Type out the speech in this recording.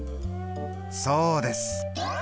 そうです。